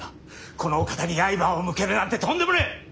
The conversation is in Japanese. このお方に刃を向けるなんてとんでもねえ！